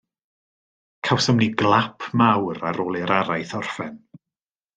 Cawsom ni glap mawr ar ôl i'r araith orffen